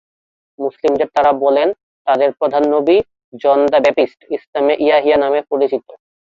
মুসলিমদের তারা বলেন, তাদের প্রধান নবী জন দ্যা ব্যাপ্টিস্ট, ইসলামে ইয়াহিয়া নামে পরিচিত।